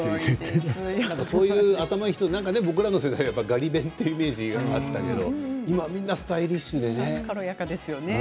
そういう頭のいい人僕らの時代はガリ勉というイメージがあったけれども今はみんなスタイリッシュでね。